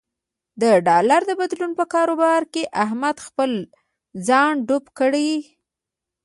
د ډالر د بدلون په کاروبار کې احمد خپل ځان ډوب یې کړ.